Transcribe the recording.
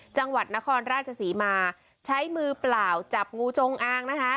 จังหวัดนครราชศรีมาใช้มือเปล่าจับงูจงอางนะคะ